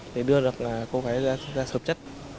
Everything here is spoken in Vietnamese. để đưa cô gái ra sợp chất